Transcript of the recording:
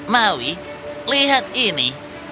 maui lihat ini